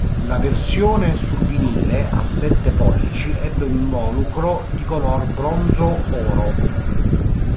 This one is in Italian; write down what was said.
La versione su vinile a sette pollici ebbe un involucro di color bronzo-oro.